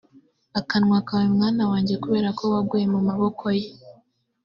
akanwa kawe mwana wanjye kubera ko waguye mu maboko ye